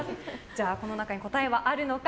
この中に答えはあるのか。